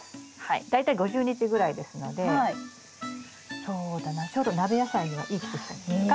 大体５０日ぐらいですのでそうだなちょうど鍋野菜にはいい季節なんじゃないですか。